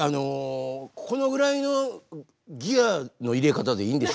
このぐらいのギアの入れ方でいいんでしょうかね。